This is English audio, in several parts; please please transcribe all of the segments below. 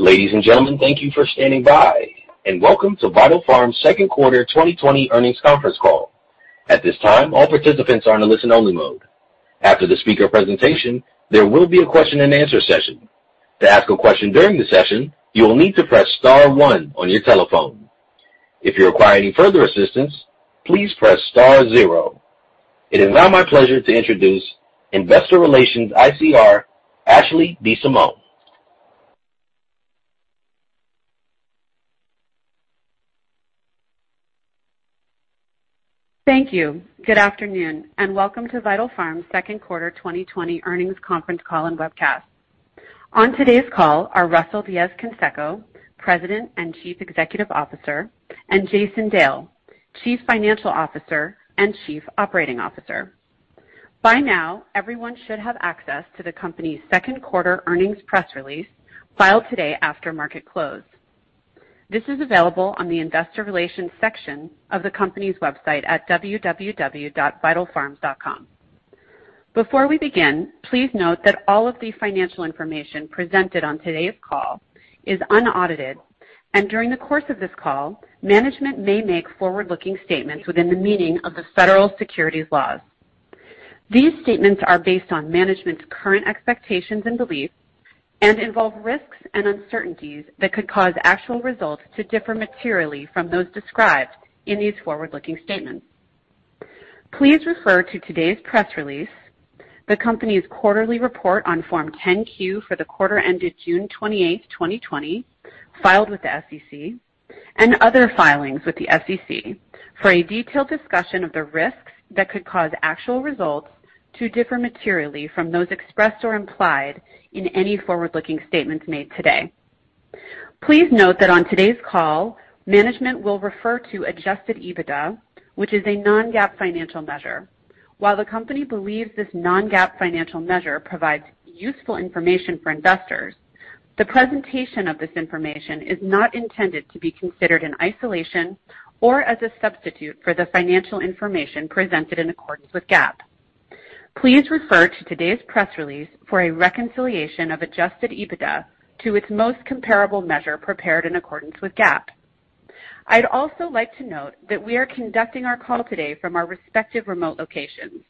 Ladies and gentlemen, thank you for standing by, and welcome to Vital Farms' second quarter 2020 earnings conference call. At this time, all participants are in a listen-only mode. After the speaker presentation, there will be a question-and-answer session. To ask a question during the session, you will need to press star one on your telephone. If you require any further assistance, please press star zero. It is now my pleasure to introduce Investor Relations ICR, Ashley DeSimone. Thank you. Good afternoon, and welcome to Vital Farms' second quarter 2020 earnings conference call and webcast. On today's call are Russell Diez-Canseco, President and Chief Executive Officer, and Jason Dale, Chief Financial Officer and Chief Operating Officer. By now, everyone should have access to the company's second quarter earnings press release filed today after market close. This is available on the Investor Relations section of the company's website at www.vitalfarms.com. Before we begin, please note that all of the financial information presented on today's call is unaudited, and during the course of this call, management may make forward-looking statements within the meaning of the federal securities laws. These statements are based on management's current expectations and beliefs and involve risks and uncertainties that could cause actual results to differ materially from those described in these forward-looking statements. Please refer to today's press release, the company's quarterly report on Form 10-Q for the quarter ended June 28, 2020, filed with the SEC, and other filings with the SEC for a detailed discussion of the risks that could cause actual results to differ materially from those expressed or implied in any forward-looking statements made today. Please note that on today's call, management will refer to Adjusted EBITDA, which is a non-GAAP financial measure. While the company believes this non-GAAP financial measure provides useful information for investors, the presentation of this information is not intended to be considered in isolation or as a substitute for the financial information presented in accordance with GAAP. Please refer to today's press release for a reconciliation of Adjusted EBITDA to its most comparable measure prepared in accordance with GAAP. I'd also like to note that we are conducting our call today from our respective remote locations.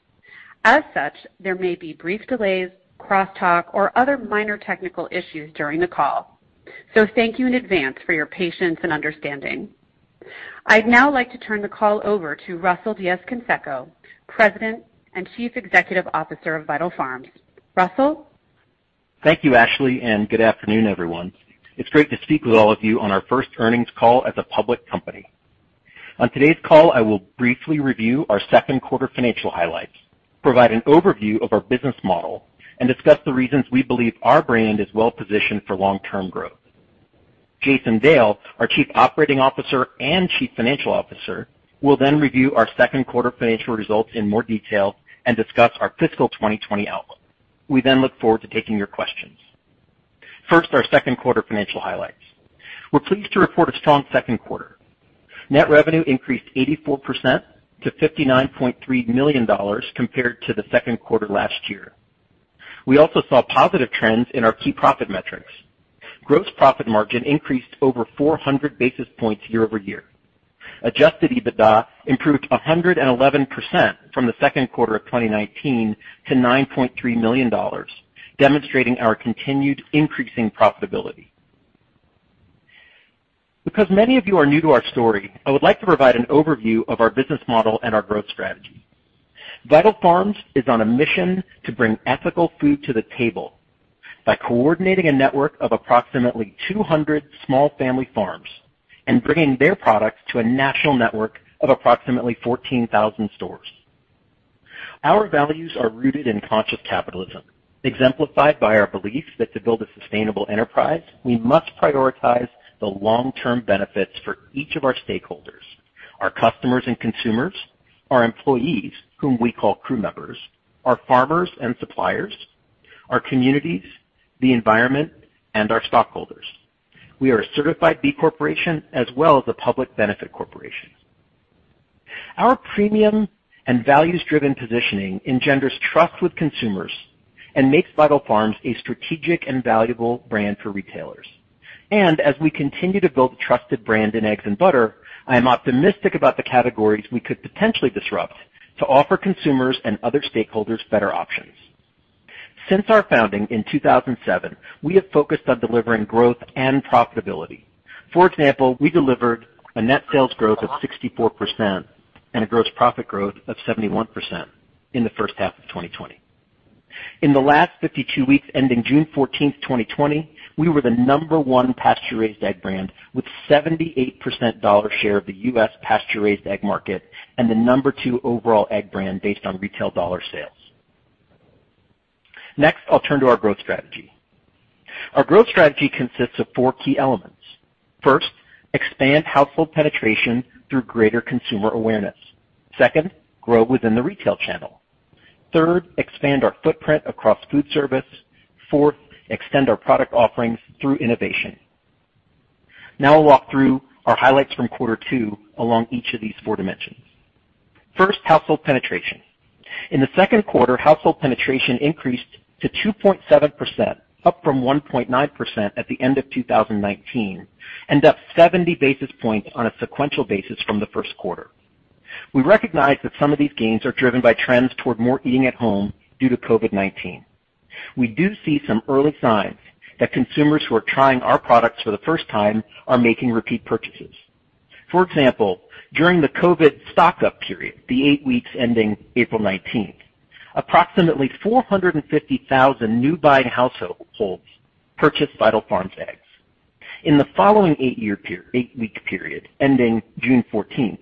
As such, there may be brief delays, cross-talk, or other minor technical issues during the call. So thank you in advance for your patience and understanding. I'd now like to turn the call over to Russell Diez-Canseco, President and Chief Executive Officer of Vital Farms. Russell? Thank you, Ashley, and good afternoon, everyone. It's great to speak with all of you on our first earnings call as a public company. On today's call, I will briefly review our second quarter financial highlights, provide an overview of our business model, and discuss the reasons we believe our brand is well-positioned for long-term growth. Jason Dale, our Chief Operating Officer and Chief Financial Officer, will then review our second quarter financial results in more detail and discuss our fiscal 2020 outlook. We then look forward to taking your questions. First, our second quarter financial highlights. We're pleased to report a strong second quarter. Net revenue increased 84% to $59.3 million compared to the second quarter last year. We also saw positive trends in our key profit metrics. Gross profit margin increased over 400 basis points year-over-year. Adjusted EBITDA improved 111% from the second quarter of 2019 to $9.3 million, demonstrating our continued increasing profitability. Because many of you are new to our story, I would like to provide an overview of our business model and our growth strategy. Vital Farms is on a mission to bring ethical food to the table by coordinating a network of approximately 200 small family farms and bringing their products to a national network of approximately 14,000 stores. Our values are rooted in Conscious Capitalism, exemplified by our belief that to build a sustainable enterprise, we must prioritize the long-term benefits for each of our stakeholders: our customers and consumers, our employees, whom we call crew members, our farmers and suppliers, our communities, the environment, and our stockholders. We are a certified B Corporation as well as a public benefit corporation. Our premium and values-driven positioning engenders trust with consumers and makes Vital Farms a strategic and valuable brand for retailers. And as we continue to build a trusted brand in eggs and butter, I am optimistic about the categories we could potentially disrupt to offer consumers and other stakeholders better options. Since our founding in 2007, we have focused on delivering growth and profitability. For example, we delivered a net sales growth of 64% and a gross profit growth of 71% in the first half of 2020. In the last 52 weeks, ending June 14, 2020, we were the number one pasture-raised egg brand with a 78% dollar share of the U.S. pasture-raised egg market and the number two overall egg brand based on retail dollar sales. Next, I'll turn to our growth strategy. Our growth strategy consists of four key elements. First, expand household penetration through greater consumer awareness. Second, grow within the retail channel. Third, expand our footprint across foodservice. Fourth, extend our product offerings through innovation. Now I'll walk through our highlights from quarter two along each of these four dimensions. First, household penetration. In the second quarter, household penetration increased to 2.7%, up from 1.9% at the end of 2019, and up 70 basis points on a sequential basis from the first quarter. We recognize that some of these gains are driven by trends toward more eating at home due to COVID-19. We do see some early signs that consumers who are trying our products for the first time are making repeat purchases. For example, during the COVID stock-up period, the eight weeks ending April 19, approximately 450,000 new-buying households purchased Vital Farms eggs. In the following eight-week period, ending June 14,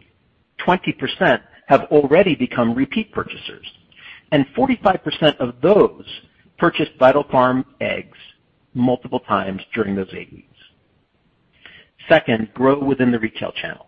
20% have already become repeat purchasers, and 45% of those purchased Vital Farms eggs multiple times during those eight weeks. Second, grow within the retail channel.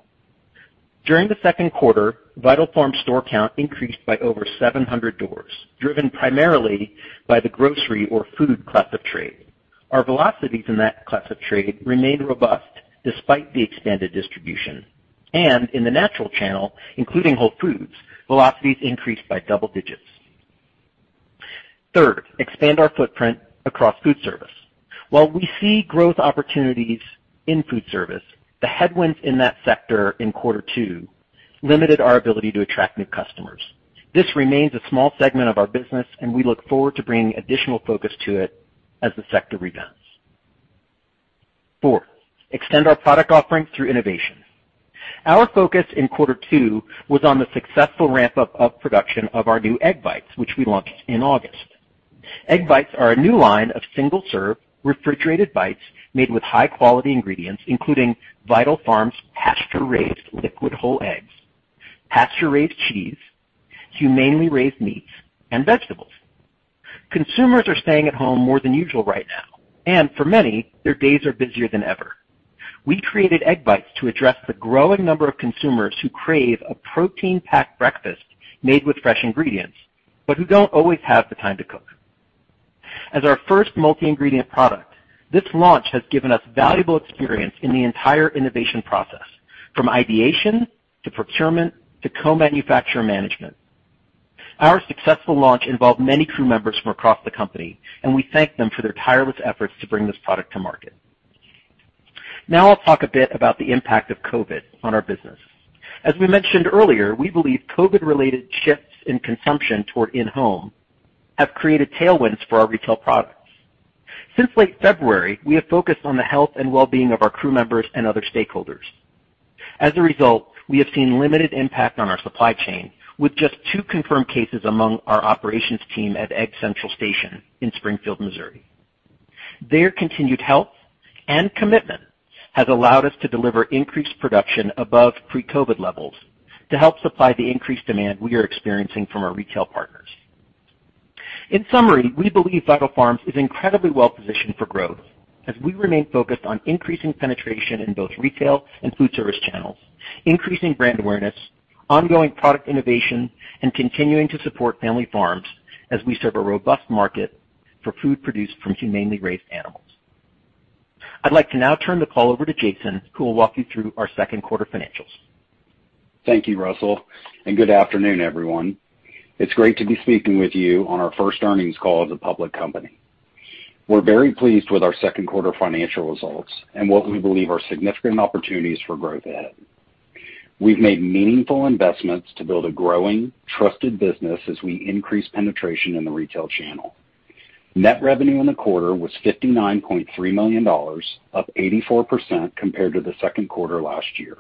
During the second quarter, Vital Farms' store count increased by over 700 doors, driven primarily by the grocery or food class of trade. Our velocities in that class of trade remain robust despite the expanded distribution, and in the natural channel, including Whole Foods, velocities increased by double digits. Third, expand our footprint across foodservice. While we see growth opportunities in foodservice, the headwinds in that sector in quarter two limited our ability to attract new customers. This remains a small segment of our business, and we look forward to bringing additional focus to it as the sector rebounds. Fourth, extend our product offering through innovation. Our focus in quarter two was on the successful ramp-up of production of our new Egg Bites, which we launched in August. Egg Bites are a new line of single-serve refrigerated bites made with high-quality ingredients, including Vital Farms' pasture-raised liquid whole eggs, pasture-raised cheese, humanely raised meats, and vegetables. Consumers are staying at home more than usual right now, and for many, their days are busier than ever. We created Egg Bites to address the growing number of consumers who crave a protein-packed breakfast made with fresh ingredients but who don't always have the time to cook. As our first multi-ingredient product, this launch has given us valuable experience in the entire innovation process, from ideation to procurement to co-manufacturer management. Our successful launch involved many crew members from across the company, and we thank them for their tireless efforts to bring this product to market. Now I'll talk a bit about the impact of COVID on our business. As we mentioned earlier, we believe COVID-related shifts in consumption toward in-home have created tailwinds for our retail products. Since late February, we have focused on the health and well-being of our crew members and other stakeholders. As a result, we have seen limited impact on our supply chain, with just two confirmed cases among our operations team at Egg Central Station in Springfield, Missouri. Their continued health and commitment has allowed us to deliver increased production above pre-COVID levels to help supply the increased demand we are experiencing from our retail partners. In summary, we believe Vital Farms is incredibly well-positioned for growth as we remain focused on increasing penetration in both retail and foodservice channels, increasing brand awareness, ongoing product innovation, and continuing to support family farms as we serve a robust market for food produced from humanely raised animals. I'd like to now turn the call over to Jason, who will walk you through our second quarter financials. Thank you, Russell, and good afternoon, everyone. It's great to be speaking with you on our first earnings call as a public company. We're very pleased with our second quarter financial results and what we believe are significant opportunities for growth ahead. We've made meaningful investments to build a growing, trusted business as we increase penetration in the retail channel. Net revenue in the quarter was $59.3 million, up 84% compared to the second quarter last year.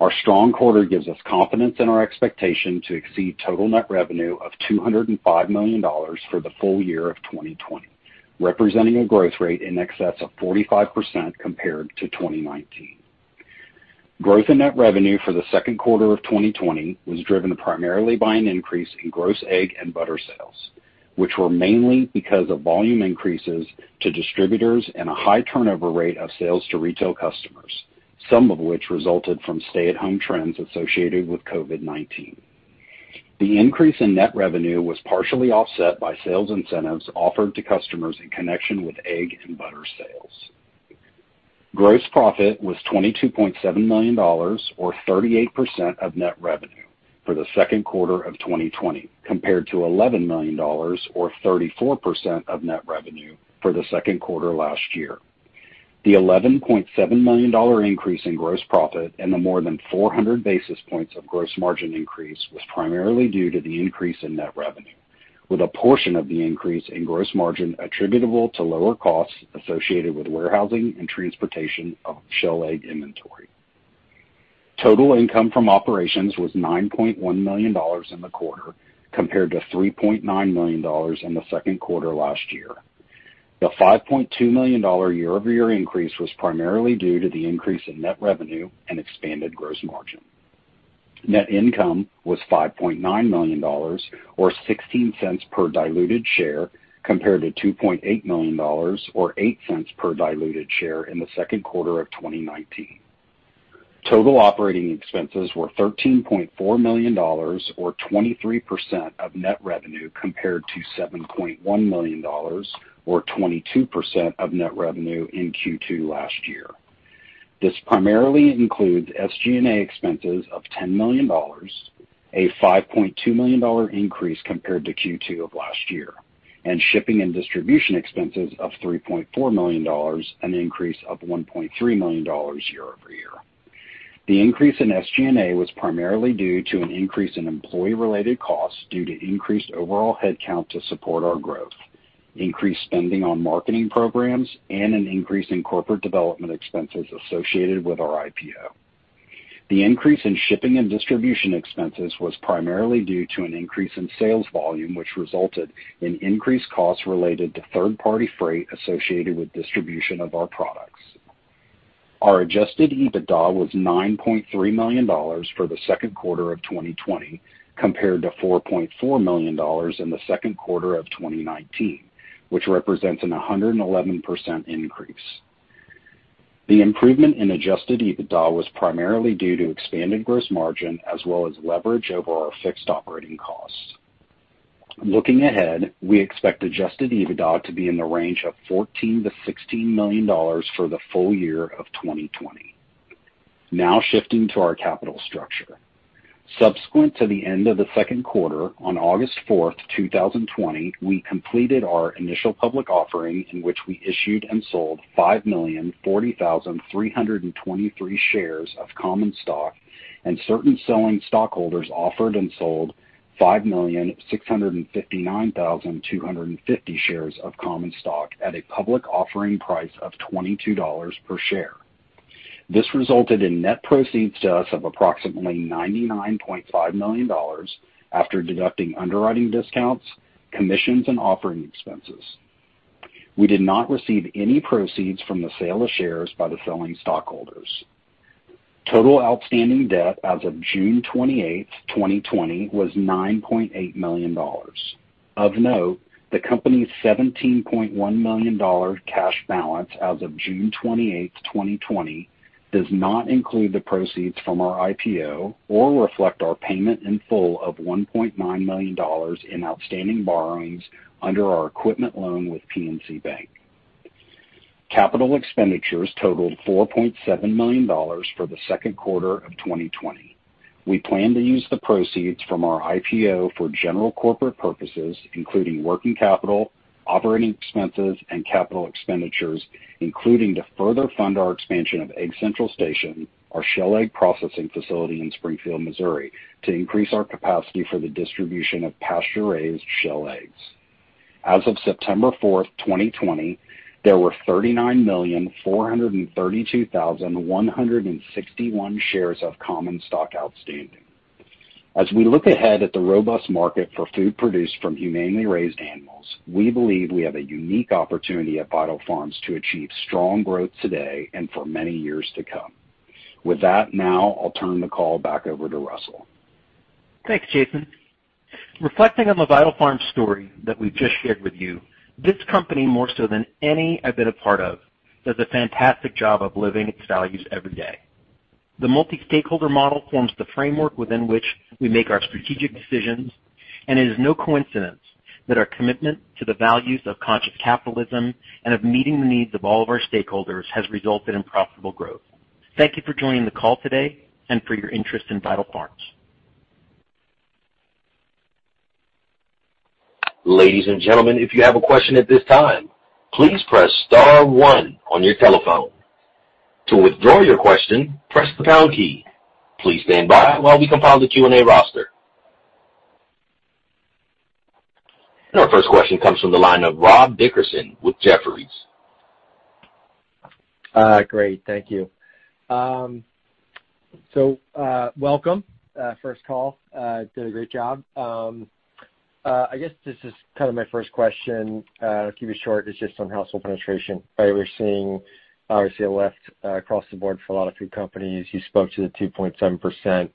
Our strong quarter gives us confidence in our expectation to exceed total net revenue of $205 million for the full year of 2020, representing a growth rate in excess of 45% compared to 2019. Growth in net revenue for the second quarter of 2020 was driven primarily by an increase in gross egg and butter sales, which were mainly because of volume increases to distributors and a high turnover rate of sales to retail customers, some of which resulted from stay-at-home trends associated with COVID-19. The increase in net revenue was partially offset by sales incentives offered to customers in connection with egg and butter sales. Gross profit was $22.7 million, or 38% of net revenue, for the second quarter of 2020, compared to $11 million, or 34% of net revenue, for the second quarter last year. The $11.7 million increase in gross profit and the more than 400 basis points of gross margin increase was primarily due to the increase in net revenue, with a portion of the increase in gross margin attributable to lower costs associated with warehousing and transportation of shell egg inventory. Total income from operations was $9.1 million in the quarter compared to $3.9 million in the second quarter last year. The $5.2 million year-over-year increase was primarily due to the increase in net revenue and expanded gross margin. Net income was $5.9 million, or 16 cents per diluted share, compared to $2.8 million, or 8 cents per diluted share in the second quarter of 2019. Total operating expenses were $13.4 million, or 23% of net revenue, compared to $7.1 million, or 22% of net revenue in Q2 last year. This primarily includes SG&A expenses of $10 million, a $5.2 million increase compared to Q2 of last year, and shipping and distribution expenses of $3.4 million, an increase of $1.3 million year-over-year. The increase in SG&A was primarily due to an increase in employee-related costs due to increased overall headcount to support our growth, increased spending on marketing programs, and an increase in corporate development expenses associated with our IPO. The increase in shipping and distribution expenses was primarily due to an increase in sales volume, which resulted in increased costs related to third-party freight associated with distribution of our products. Our Adjusted EBITDA was $9.3 million for the second quarter of 2020, compared to $4.4 million in the second quarter of 2019, which represents a 111% increase. The improvement in Adjusted EBITDA was primarily due to expanded gross margin as well as leverage over our fixed operating costs. Looking ahead, we expect Adjusted EBITDA to be in the range of $14 million-$16 million for the full year of 2020. Now shifting to our capital structure. Subsequent to the end of the second quarter, on August 4, 2020, we completed our initial public offering in which we issued and sold 5,040,323 shares of common stock, and certain selling stockholders offered and sold 5,659,250 shares of common stock at a public offering price of $22 per share. This resulted in net proceeds to us of approximately $99.5 million after deducting underwriting discounts, commissions, and offering expenses. We did not receive any proceeds from the sale of shares by the selling stockholders. Total outstanding debt as of June 28, 2020, was $9.8 million. Of note, the company's $17.1 million cash balance as of June 28, 2020, does not include the proceeds from our IPO or reflect our payment in full of $1.9 million in outstanding borrowings under our equipment loan with PNC Bank. Capital expenditures totaled $4.7 million for the second quarter of 2020. We plan to use the proceeds from our IPO for general corporate purposes, including working capital, operating expenses, and capital expenditures, including to further fund our expansion of Egg Central Station, our shell egg processing facility in Springfield, Missouri, to increase our capacity for the distribution of pasture-raised shell eggs. As of September 4, 2020, there were 39,432,161 shares of common stock outstanding. As we look ahead at the robust market for food produced from humanely raised animals, we believe we have a unique opportunity at Vital Farms to achieve strong growth today and for many years to come. With that, now I'll turn the call back over to Russell. Thanks, Jason. Reflecting on the Vital Farms story that we've just shared with you, this company, more so than any I've been a part of, does a fantastic job of living its values every day. The multi-stakeholder model forms the framework within which we make our strategic decisions, and it is no coincidence that our commitment to the values of Conscious Capitalism and of meeting the needs of all of our stakeholders has resulted in profitable growth. Thank you for joining the call today and for your interest in Vital Farms. Ladies and gentlemen, if you have a question at this time, please press star one on your telephone. To withdraw your question, press the pound key. Please stand by while we compile the Q&A roster. Our first question comes from the line of Rob Dickerson with Jefferies. Great. Thank you. So, welcome. First call. Did a great job. I guess this is kind of my first question. I'll keep it short. It's just on household penetration. We're seeing, obviously, a lift across the board for a lot of food companies. You spoke to the 2.7%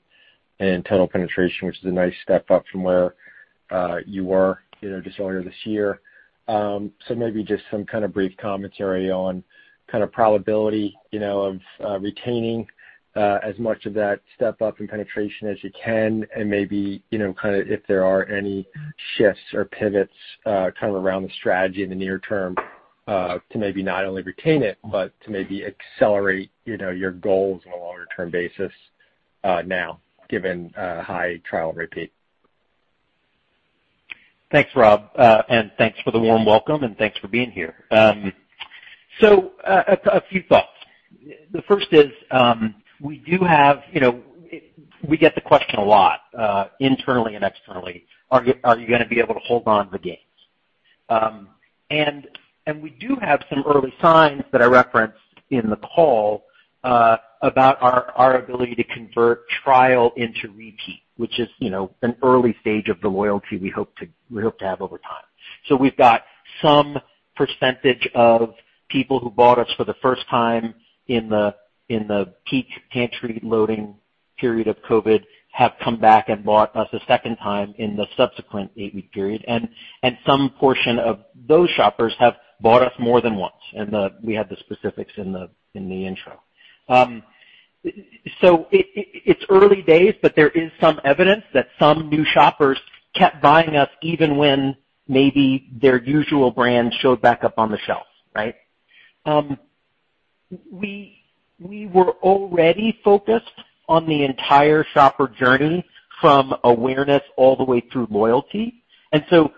in total penetration, which is a nice step up from where you were just earlier this year. So, maybe just some kind of brief commentary on kind of probability of retaining as much of that step up in penetration as you can, and maybe kind of if there are any shifts or pivots kind of around the strategy in the near term to maybe not only retain it, but to maybe accelerate your goals on a longer-term basis now, given high trial and repeat. Thanks, Rob. Thanks for the warm welcome, and thanks for being here. A few thoughts. The first is we get the question a lot internally and externally. Are you going to be able to hold on the gains, and we do have some early signs that I referenced in the call about our ability to convert trial into repeat, which is an early stage of the loyalty we hope to have over time, so we've got some percentage of people who bought us for the first time in the peak pantry loading period of COVID have come back and bought us a second time in the subsequent eight-week period, and some portion of those shoppers have bought us more than once, and we had the specifics in the intro. So it's early days, but there is some evidence that some new shoppers kept buying us even when maybe their usual brand showed back up on the shelf, right? We were already focused on the entire shopper journey from awareness all the way through loyalty. And so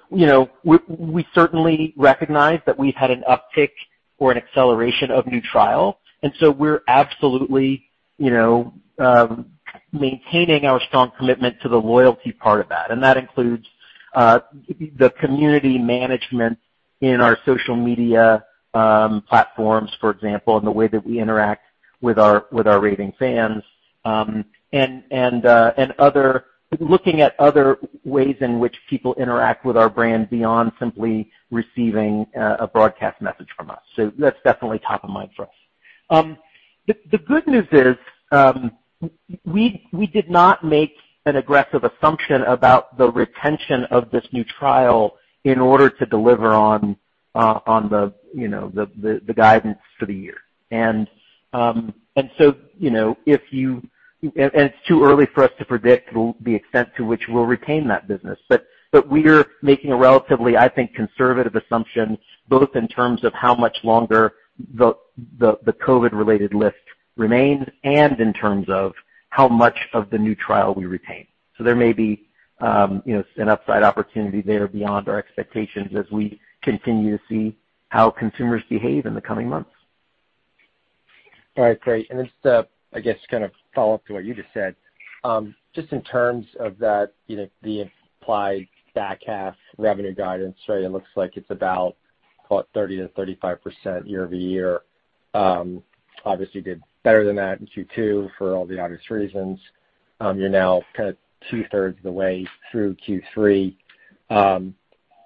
we certainly recognize that we've had an uptick or an acceleration of new trial. And so we're absolutely maintaining our strong commitment to the loyalty part of that. And that includes the community management in our social media platforms, for example, and the way that we interact with our raving fans and looking at other ways in which people interact with our brand beyond simply receiving a broadcast message from us. So that's definitely top of mind for us. The good news is we did not make an aggressive assumption about the retention of this new trial in order to deliver on the guidance for the year. And so if you and it's too early for us to predict the extent to which we'll retain that business. But we're making a relatively, I think, conservative assumption, both in terms of how much longer the COVID-related lift remains and in terms of how much of the new trial we retain. So there may be an upside opportunity there beyond our expectations as we continue to see how consumers behave in the coming months. All right. Great. And I guess kind of follow up to what you just said. Just in terms of the implied back half revenue guidance, right, it looks like it's about 30%-35% year-over-year. Obviously, you did better than that in Q2 for all the obvious reasons. You're now kind of two-thirds of the way through Q3.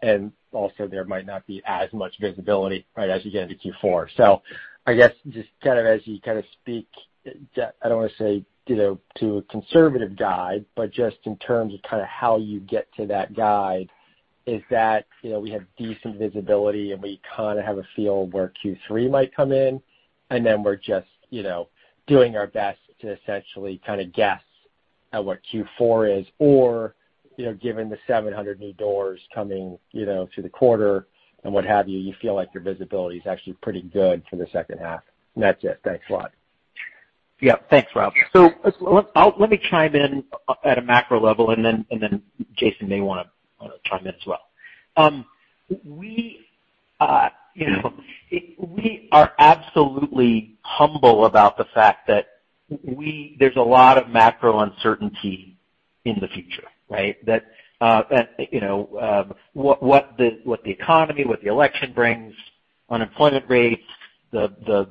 And also, there might not be as much visibility as you get into Q4. So I guess just kind of as you kind of speak, I don't want to say to a conservative guide, but just in terms of kind of how you get to that guide, is that we have decent visibility, and we kind of have a feel where Q3 might come in, and then we're just doing our best to essentially kind of guess at what Q4 is? Or given the 700 new doors coming through the quarter and what have you, you feel like your visibility is actually pretty good for the second half. And that's it. Thanks a lot. Yep. Thanks, Rob. So let me chime in at a macro level, and then Jason may want to chime in as well. We are absolutely humble about the fact that there's a lot of macro uncertainty in the future, right? What the economy, what the election brings, unemployment rates, the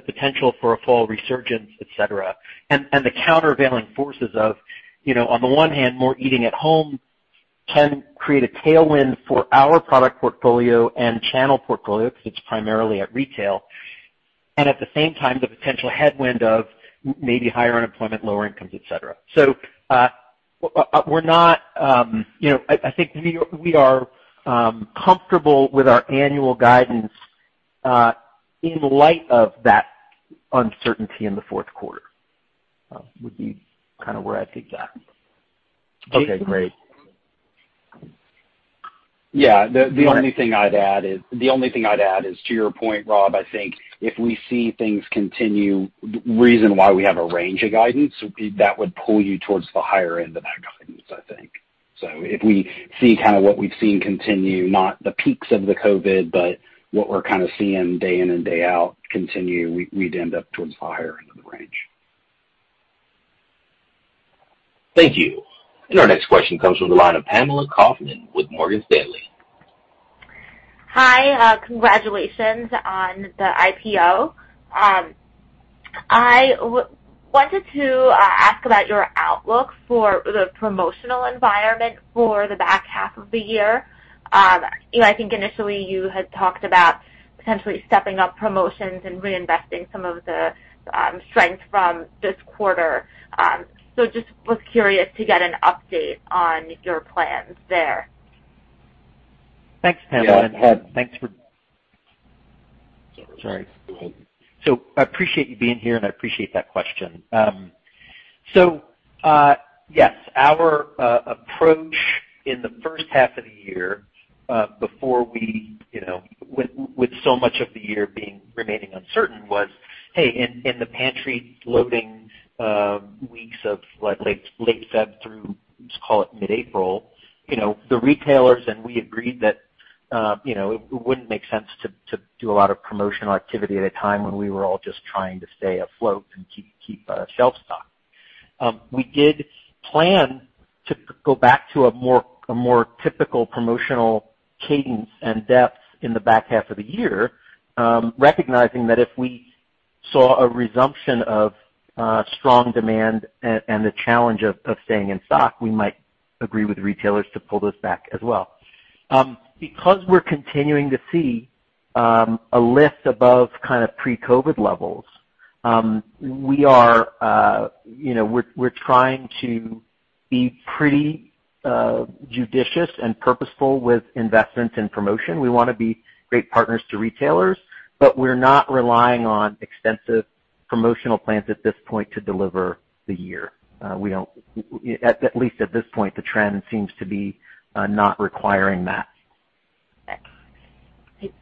potential for a fall resurgence, etc., and the countervailing forces of, on the one hand, more eating at home can create a tailwind for our product portfolio and channel portfolio because it's primarily at retail. And at the same time, the potential headwind of maybe higher unemployment, lower incomes, etc. So we're not, I think we are comfortable with our annual guidance in light of that uncertainty in the fourth quarter. Would be kind of where I'd leave that. Okay. Great. Yeah. The only thing I'd add is, to your point, Rob, I think if we see things continue, the reason why we have a range of guidance, that would pull you towards the higher end of that guidance, I think. So if we see kind of what we've seen continue, not the peaks of the COVID, but what we're kind of seeing day in and day out continue, we'd end up towards the higher end of the range. Thank you. And our next question comes from the line of Pamela Kaufman with Morgan Stanley. Hi. Congratulations on the IPO. I wanted to ask about your outlook for the promotional environment for the back half of the year. I think initially you had talked about potentially stepping up promotions and reinvesting some of the strength from this quarter. So just was curious to get an update on your plans there. Thanks, Pamela, and thanks for. Thank you. Sorry. So I appreciate you being here, and I appreciate that question. So yes, our approach in the first half of the year before, with so much of the year remaining uncertain, was, hey, in the pantry loading weeks of late February through, let's call it mid-April, the retailers and we agreed that it wouldn't make sense to do a lot of promotional activity at a time when we were all just trying to stay afloat and keep shelf stock. We did plan to go back to a more typical promotional cadence and depth in the back half of the year, recognizing that if we saw a resumption of strong demand and the challenge of staying in stock, we might agree with retailers to pull this back as well. Because we're continuing to see a lift above kind of pre-COVID levels, we're trying to be pretty judicious and purposeful with investments in promotion. We want to be great partners to retailers, but we're not relying on extensive promotional plans at this point to deliver the year. At least at this point, the trend seems to be not requiring that. Okay.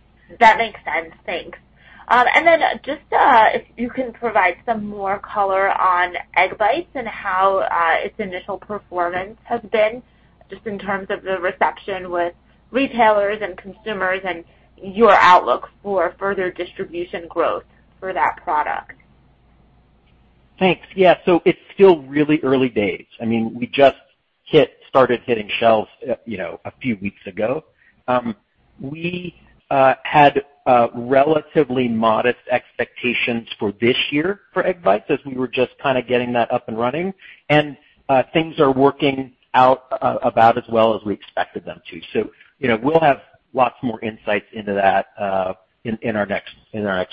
That makes sense. Thanks. And then just if you can provide some more color on Egg Bites and how its initial performance has been just in terms of the reception with retailers and consumers and your outlook for further distribution growth for that product? Thanks. Yeah. So it's still really early days. I mean, we just started hitting shelves a few weeks ago. We had relatively modest expectations for this year for Egg Bites as we were just kind of getting that up and running. And things are working out about as well as we expected them to. So we'll have lots more insights into that in our next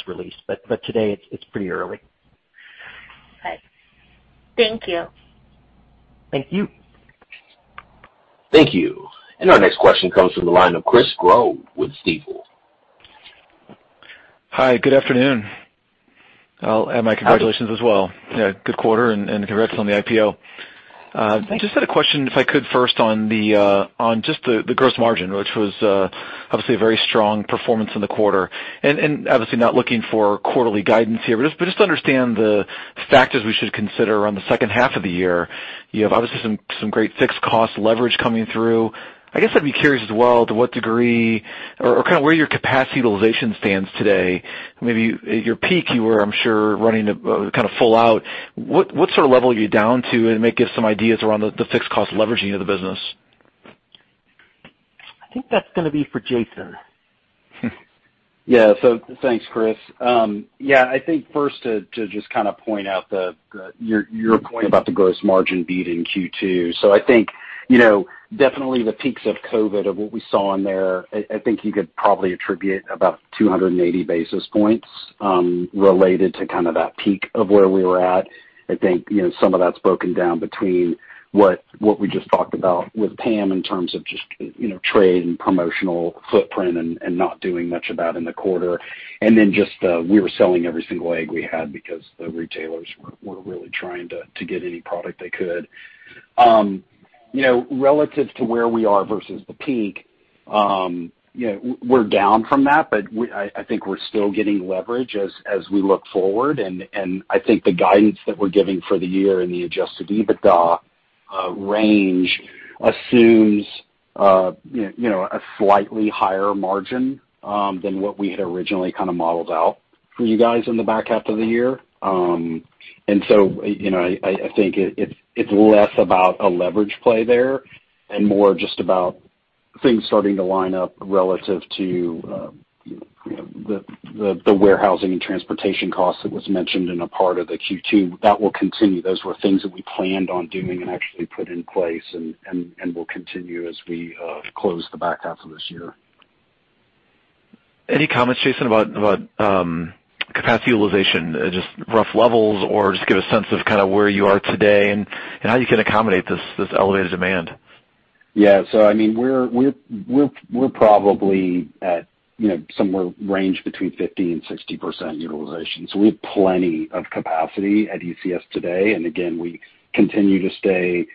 release. But today, it's pretty early. Okay. Thank you. Thank you. Thank you. And our next question comes from the line of Chris Growe with Stifel. Hi. Good afternoon. And my congratulations as well. Good quarter and congrats on the IPO. Just had a question, if I could, first on just the gross margin, which was obviously a very strong performance in the quarter. And obviously, not looking for quarterly guidance here, but just to understand the factors we should consider around the second half of the year. You have obviously some great fixed cost leverage coming through. I guess I'd be curious as well to what degree or kind of where your capacity utilization stands today. Maybe at your peak, you were, I'm sure, running kind of full out. What sort of level are you down to? And it may give some ideas around the fixed cost leveraging of the business. I think that's going to be for Jason. Yeah. So thanks, Chris. Yeah. I think first to just kind of point out your point about the gross margin beat in Q2. So I think definitely the peaks of COVID of what we saw in there. I think you could probably attribute about 280 basis points related to kind of that peak of where we were at. I think some of that's broken down between what we just talked about with Pam in terms of just trade and promotional footprint and not doing much of that in the quarter. And then just we were selling every single egg we had because the retailers were really trying to get any product they could. Relative to where we are versus the peak, we're down from that, but I think we're still getting leverage as we look forward. I think the guidance that we're giving for the year in the Adjusted EBITDA range assumes a slightly higher margin than what we had originally kind of modeled out for you guys in the back half of the year. And so I think it's less about a leverage play there and more just about things starting to line up relative to the warehousing and transportation costs that was mentioned in a part of the Q2. That will continue. Those were things that we planned on doing and actually put in place and will continue as we close the back half of this year. Any comments, Jason, about capacity utilization, just rough levels, or just give a sense of kind of where you are today and how you can accommodate this elevated demand? Yeah. So I mean, we're probably at somewhere range between 50%-60% utilization. So we have plenty of capacity at ECS today. And again, we continue to stay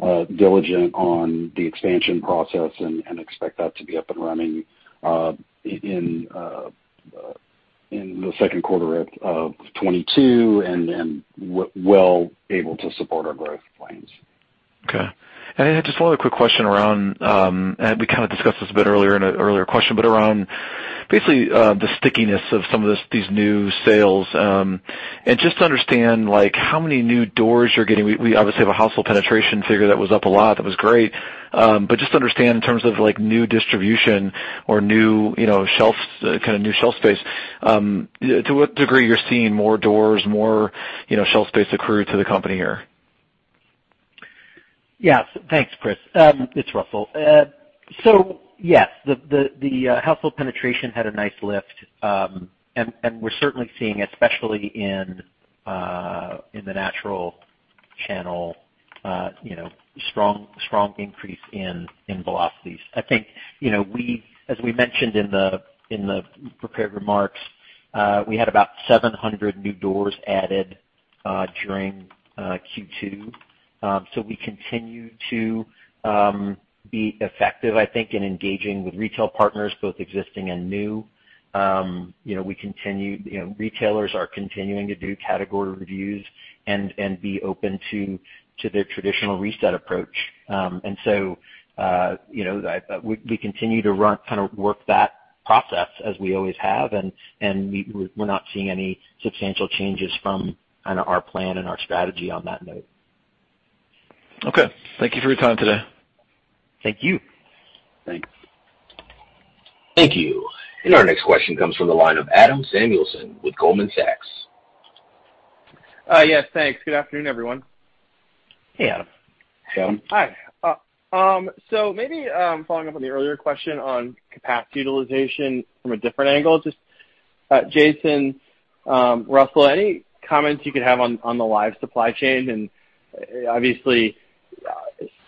diligent on the expansion process and expect that to be up and running in the second quarter of 2022 and well able to support our growth plans. Okay. And I had just one other quick question around, and we kind of discussed this a bit earlier in an earlier question, but around basically the stickiness of some of these new sales. And just to understand how many new doors you're getting. We obviously have a household penetration figure that was up a lot. That was great. But just to understand in terms of new distribution or kind of new shelf space, to what degree you're seeing more doors, more shelf space accrue to the company here? Yeah. Thanks, Chris. It's Russell. So yes, the household penetration had a nice lift, and we're certainly seeing, especially in the natural channel, a strong increase in velocities. I think, as we mentioned in the prepared remarks, we had about 700 new doors added during Q2, so we continue to be effective, I think, in engaging with retail partners, both existing and new. We continue. Retailers are continuing to do category reviews and be open to their traditional reset approach, and so we continue to kind of work that process as we always have, and we're not seeing any substantial changes from kind of our plan and our strategy on that note. Okay. Thank you for your time today. Thank you. Thanks. Thank you. And our next question comes from the line of Adam Samuelson with Goldman Sachs. Yes. Thanks. Good afternoon, everyone. Hey, Adam. Hey, Adam. Hi. So maybe following up on the earlier question on capacity utilization from a different angle, just Jason, Russell, any comments you could have on the live supply chain? And obviously,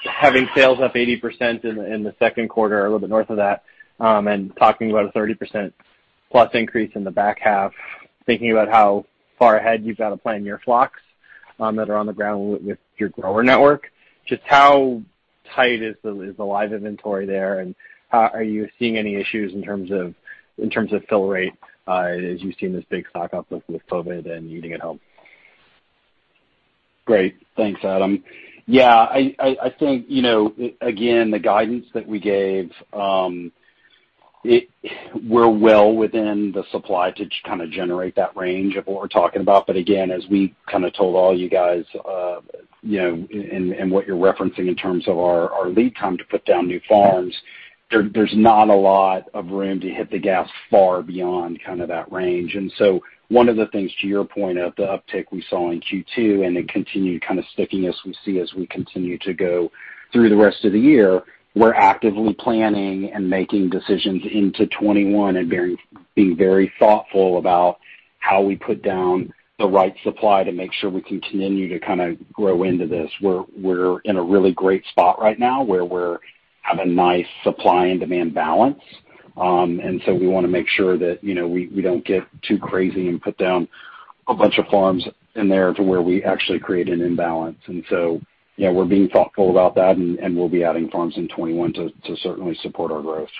having sales up 80% in the second quarter, a little bit north of that, and talking about a 30%+ increase in the back half, thinking about how far ahead you've got to plan your flocks that are on the ground with your grower network, just how tight is the live inventory there? And are you seeing any issues in terms of fill rate as you've seen this big stock up with COVID and eating at home? Great. Thanks, Adam. Yeah. I think, again, the guidance that we gave, we're well within the supply to kind of generate that range of what we're talking about. But again, as we kind of told all you guys and what you're referencing in terms of our lead time to put down new farms, there's not a lot of room to hit the gas far beyond kind of that range. And so one of the things to your point of the uptick we saw in Q2 and the continued kind of stickiness we see as we continue to go through the rest of the year, we're actively planning and making decisions into 2021 and being very thoughtful about how we put down the right supply to make sure we continue to kind of grow into this. We're in a really great spot right now where we have a nice supply and demand balance. And so we want to make sure that we don't get too crazy and put down a bunch of farms in there to where we actually create an imbalance. And so we're being thoughtful about that, and we'll be adding farms in 2021 to certainly support our growth.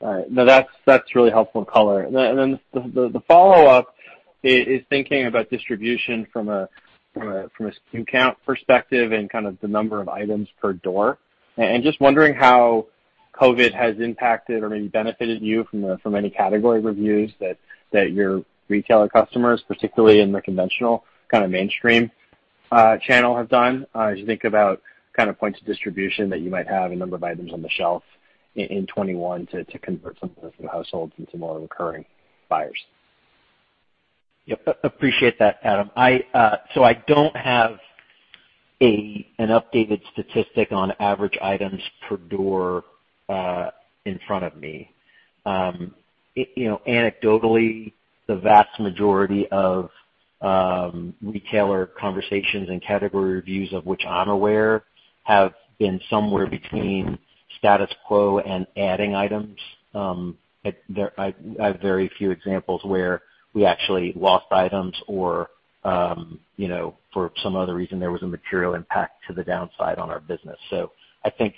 All right. No, that's really helpful color. And then the follow-up is thinking about distribution from a SKU count perspective and kind of the number of items per door. And just wondering how COVID has impacted or maybe benefited you from any category reviews that your retailer customers, particularly in the conventional kind of mainstream channel, have done as you think about kind of points of distribution that you might have a number of items on the shelf in 2021 to convert some of those households into more recurring buyers. Appreciate that, Adam. So I don't have an updated statistic on average items per door in front of me. Anecdotally, the vast majority of retailer conversations and category reviews of which I'm aware have been somewhere between status quo and adding items. I have very few examples where we actually lost items or for some other reason, there was a material impact to the downside on our business. So I think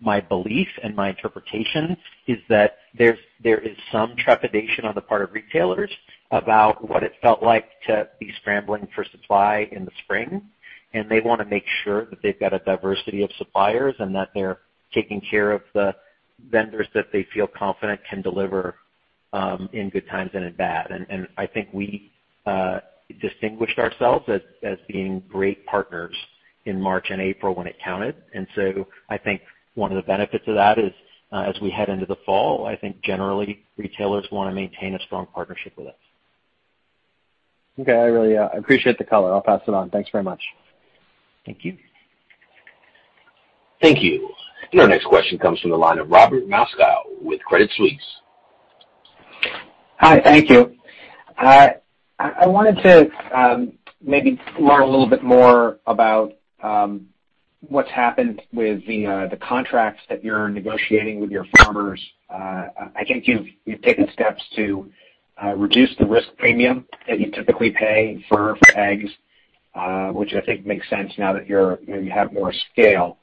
my belief and my interpretation is that there is some trepidation on the part of retailers about what it felt like to be scrambling for supply in the spring. And they want to make sure that they've got a diversity of suppliers and that they're taking care of the vendors that they feel confident can deliver in good times and in bad. And I think we distinguished ourselves as being great partners in March and April when it counted. And so I think one of the benefits of that is as we head into the fall, I think generally retailers want to maintain a strong partnership with us. Okay. I appreciate the color. I'll pass it on. Thanks very much. Thank you. Thank you. And our next question comes from the line of Robert Moskow with Credit Suisse. Hi. Thank you. I wanted to maybe learn a little bit more about what's happened with the contracts that you're negotiating with your farmers. I think you've taken steps to reduce the risk premium that you typically pay for eggs, which I think makes sense now that you have more scale.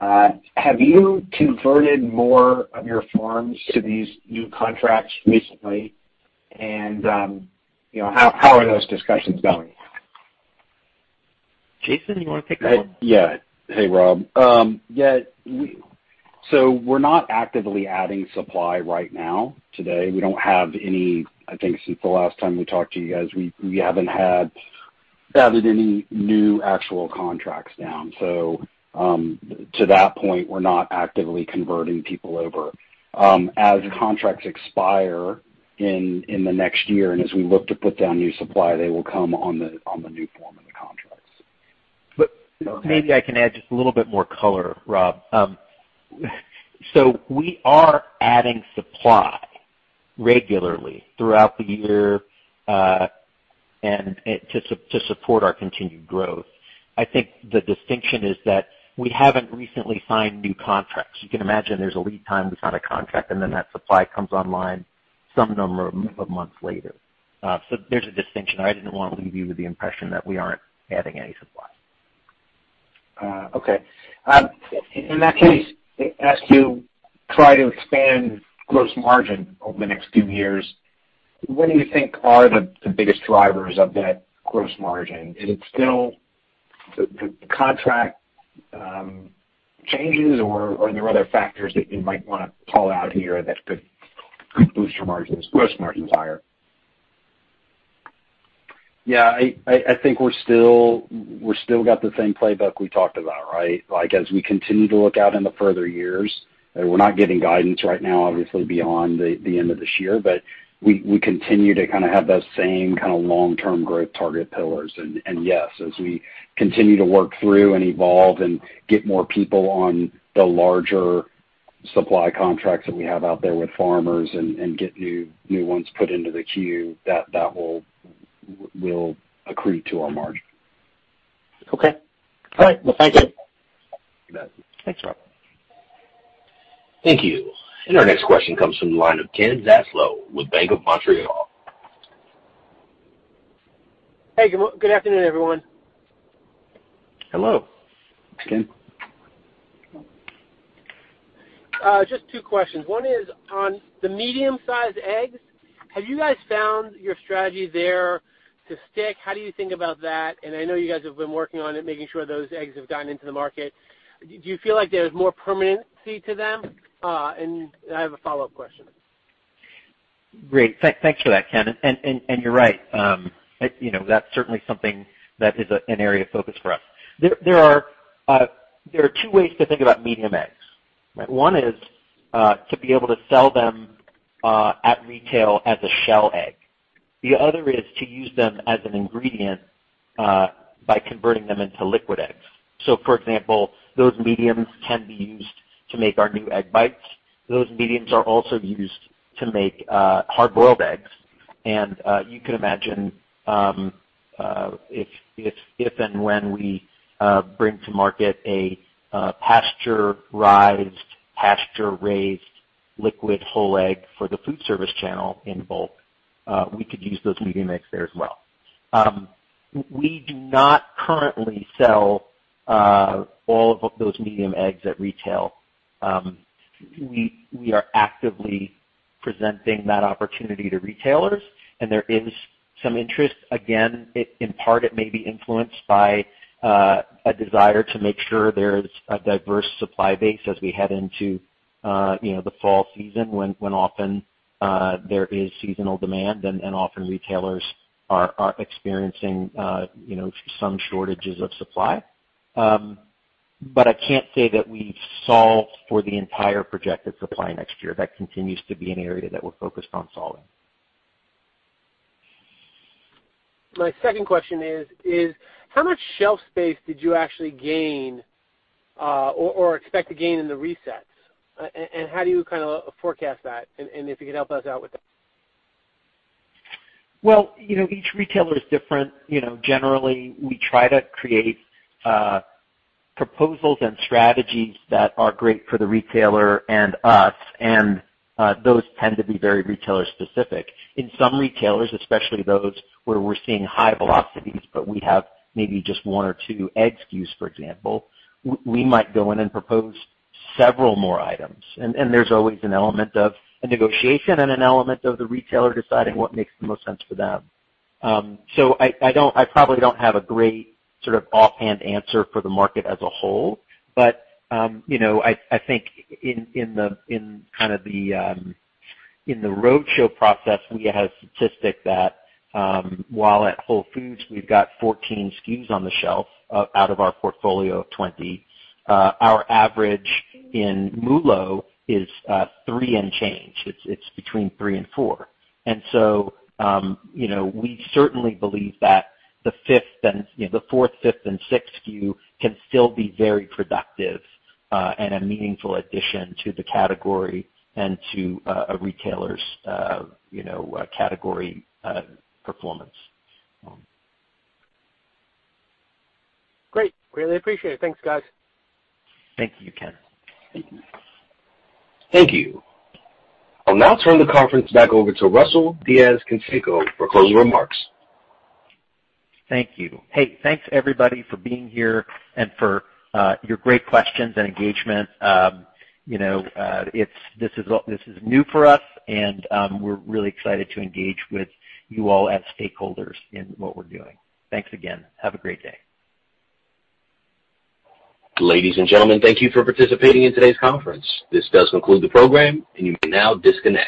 Have you converted more of your farms to these new contracts recently? And how are those discussions going? Jason, you want to take that one? Yeah. Hey, Rob. Yeah. So we're not actively adding supply right now today. We don't have any. I think since the last time we talked to you guys, we haven't added any new actual contracts down. So to that point, we're not actively converting people over. As contracts expire in the next year and as we look to put down new supply, they will come on the new form of the contracts. But maybe I can add just a little bit more color, Rob. So we are adding supply regularly throughout the year to support our continued growth. I think the distinction is that we haven't recently signed new contracts. You can imagine there's a lead time we sign a contract, and then that supply comes online some number of months later. So there's a distinction. I didn't want to leave you with the impression that we aren't adding any supply. Okay. In that case, as you try to expand gross margin over the next few years, what do you think are the biggest drivers of that gross margin? Is it still the contract changes, or are there other factors that you might want to call out here that could boost your gross margins higher? Yeah. I think we've still got the same playbook we talked about, right? As we continue to look out in the further years, we're not giving guidance right now, obviously, beyond the end of this year, but we continue to kind of have those same kind of long-term growth target pillars. And yes, as we continue to work through and evolve and get more people on the larger supply contracts that we have out there with farmers and get new ones put into the queue, that will accrete to our margin. Okay. All right, well, thank you. Thanks, Rob. Thank you. And our next question comes from the line of Ken Zaslow with Bank of Montreal. Hey. Good afternoon, everyone. Hello. Thanks, Ken. Just two questions. One is on the medium-sized eggs. Have you guys found your strategy there to stick? How do you think about that? And I know you guys have been working on it, making sure those eggs have gotten into the market. Do you feel like there's more permanency to them? And I have a follow-up question. Great. Thanks for that, Ken. And you're right. That's certainly something that is an area of focus for us. There are two ways to think about medium eggs. One is to be able to sell them at retail as a shell egg. The other is to use them as an ingredient by converting them into liquid eggs. So for example, those mediums can be used to make our new egg bites. Those mediums are also used to make hard-boiled eggs. And you can imagine if and when we bring to market a pasture-raised, pasture-raised liquid whole egg for the foodservice channel in bulk, we could use those medium eggs there as well. We do not currently sell all of those medium eggs at retail. We are actively presenting that opportunity to retailers, and there is some interest. Again, in part, it may be influenced by a desire to make sure there's a diverse supply base as we head into the fall season when often there is seasonal demand and often retailers are experiencing some shortages of supply. But I can't say that we've solved for the entire projected supply next year. That continues to be an area that we're focused on solving. My second question is, how much shelf space did you actually gain or expect to gain in the resets? And how do you kind of forecast that? And if you could help us out with that? Each retailer is different. Generally, we try to create proposals and strategies that are great for the retailer and us, and those tend to be very retailer-specific. In some retailers, especially those where we're seeing high velocities, but we have maybe just one or two egg SKUs, for example, we might go in and propose several more items. And there's always an element of negotiation and an element of the retailer deciding what makes the most sense for them. So I probably don't have a great sort of offhand answer for the market as a whole. But I think in kind of the roadshow process, we had a statistic that while at Whole Foods, we've got 14 SKUs on the shelf out of our portfolio of 20, our average in MULO is three and change. It's between three and four. We certainly believe that the fourth, fifth, and sixth SKU can still be very productive and a meaningful addition to the category and to a retailer's category performance. Great. Really appreciate it. Thanks, guys. Thank you, Ken. Thank you. I'll now turn the conference back over to Russell Diez-Canseco for closing remarks. Thank you. Hey, thanks, everybody, for being here and for your great questions and engagement. This is new for us, and we're really excited to engage with you all as stakeholders in what we're doing. Thanks again. Have a great day. Ladies and gentlemen, thank you for participating in today's conference. This does conclude the program, and you may now disconnect.